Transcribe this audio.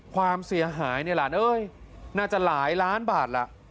ความเสียหายเนี่ยหลานเอ้ยน่าจะหลายล้านบาทล่ะ